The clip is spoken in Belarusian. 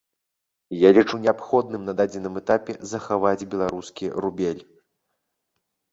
Я лічу неабходным на дадзеным этапе захаваць беларускі рубель.